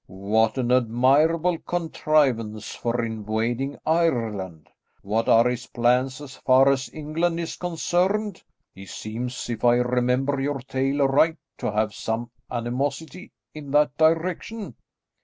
"What an admirable contrivance for invading Ireland! What are his plans as far as England is concerned? He seems, if I remember your tale aright, to have some animosity in that direction."